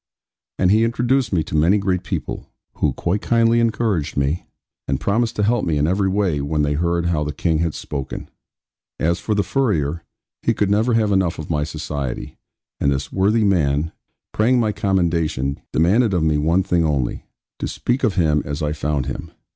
And he introduced me to many great people, who quite kindly encouraged me, and promised to help me in every way when they heard how the King had spoken. As for the furrier, he could never have enough of my society; and this worthy man, praying my commendation, demanded of me one thing only to speak of him as I found him.